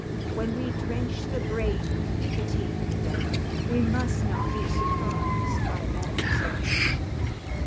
When we drench the brain with nicotine, you know, we must not be surprised by bad results."